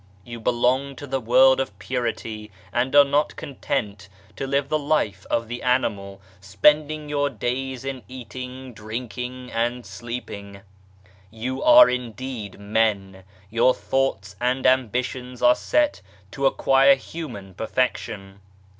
You belong to the world of Purity, and are not con tent to live the life of the animal, spending your days in eating, drinking, and sleeping. You are indeed men I Your thoughts and ambitions are set to acquire human perfection.